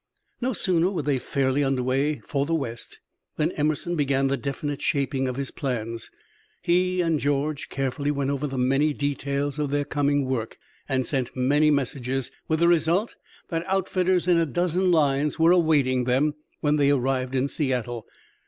No sooner were they fairly under way for the West than Emerson began the definite shaping of his plans. He and George carefully went over the many details of their coming work and sent many messages, with the result that outfitters in a dozen lines were awaiting them when they arrived in Seattle.